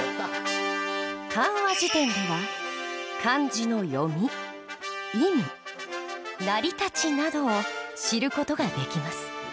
漢和辞典では「漢字の読み」「意味」「成り立ち」などを知る事ができます。